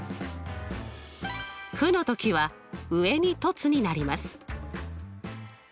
負の時は上に凸になります。